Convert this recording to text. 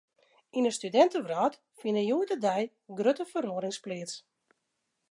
Yn de studintewrâld fine hjoed-de-dei grutte feroarings pleats.